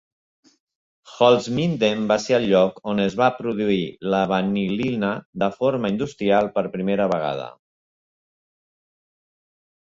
Holzminden va ser el lloc on es va produir la vanil·lina de forma industrial per primera vegada.